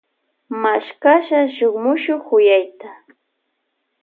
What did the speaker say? Mashkasha shun muchuk kuyayta.